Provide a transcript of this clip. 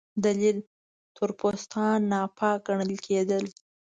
دلیل: تور پوستان ناپاک ګڼل کېدل.